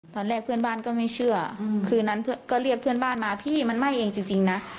ตอนแรกเพื่อนบ้านก็ไม่เชื่อคืนนั้นก็เรียกเพื่อนบ้านมาพี่มันไหม้เองจริงนะ